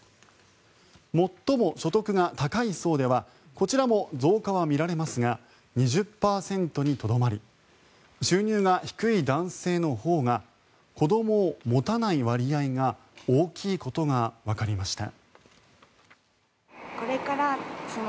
最も所得が高い層ではこちらも増加は見られますが２０％にとどまり収入が低い男性のほうが子どもを持たない割合が大きいことがわかりました。